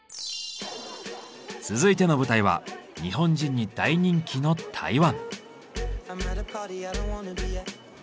続いての舞台は日本人に大人気の台湾。